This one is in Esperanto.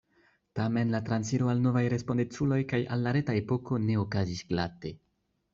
Tamen la transiro al novaj respondeculoj kaj al la reta epoko ne okazis glate.